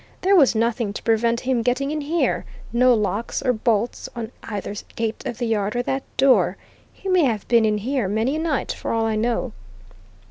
"There was nothing to prevent him getting in here no locks or bolts on either gate of the yard or that door. He may have been in here many a night, for all I know."